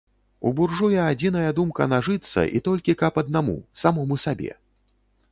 У буржуя адзіная думка нажыцца і толькі каб аднаму, самому сабе.